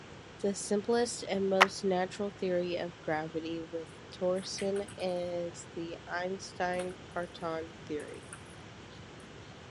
The simplest and most natural theory of gravity with torsion is the Einstein-Cartan theory.